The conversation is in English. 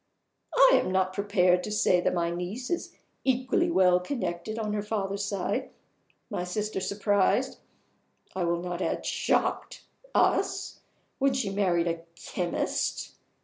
I am not prepared to say that my niece is equally well connected on her father's side. My sister surprised I will not add shocked us when she married a chemist.